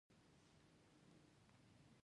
فیل تر ټولو لوی وچ اوسیدونکی حیوان دی